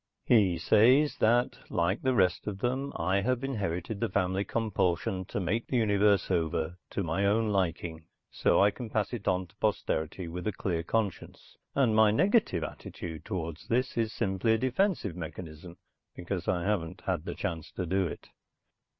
He says that, like the rest of them, I have inherited the family compulsion to make the universe over to my own liking so I can pass it on to posterity with a clear conscience, and my negative attitude toward this is simply a defense mechanism because I haven't had a chance to do it.